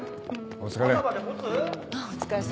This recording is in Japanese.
お疲れ。